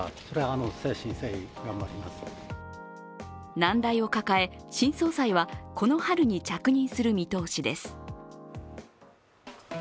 難題を抱え、新総裁はこの春に着任する見通しです。